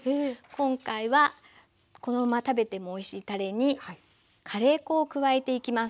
今回はこのまま食べてもおいしいたれにカレー粉を加えていきます。